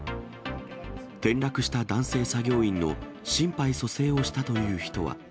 転落した男性作業員の心肺蘇生をしたという人は。